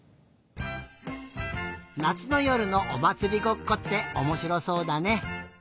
なつのよるのおまつりごっこっておもしろそうだね。